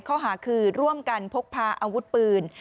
ข้อหาคือร่วมกันพกพาอาวุธปืน